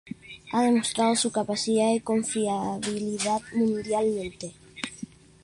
Ha demostrado su capacidad y confiabilidad mundialmente.